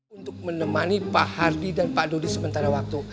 untuk menemani pak hardi dan pak dodi sementara waktu